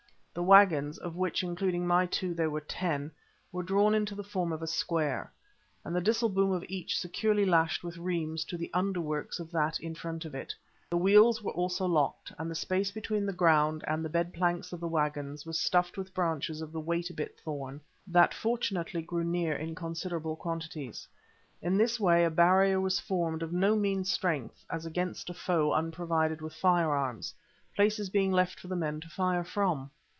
The waggons, of which, including my two, there were ten, were drawn into the form of a square, and the disselboom of each securely lashed with reims to the underworks of that in front of it. The wheels also were locked, and the space between the ground and the bed planks of the waggons was stuffed with branches of the "wait a bit" thorn that fortunately grew near in considerable quantities. In this way a barrier was formed of no mean strength as against a foe unprovided with firearms, places being left for the men to fire from.